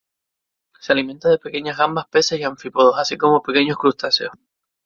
Se alimenta de pequeñas gambas, peces y anfípodos, así como pequeños crustáceos.